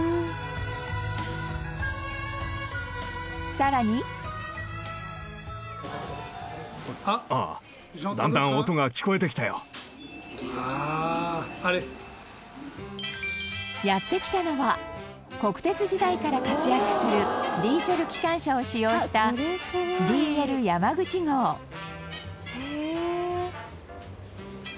更にやって来たのは国鉄時代から活躍するディーゼル機関車を使用したＤＬやまぐち号羽田：へえー！